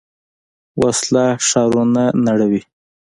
وسله ښارونه نړوي